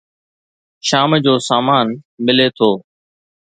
شام جو سامان ملي ٿو.